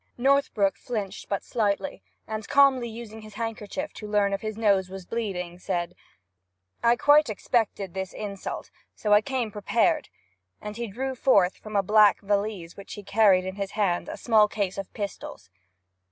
Northbrook flinched but slightly, and calmly using his handkerchief to learn if his nose was bleeding, said, 'I quite expected this insult, so I came prepared.' And he drew forth from a black valise which he carried in his hand a small case of pistols.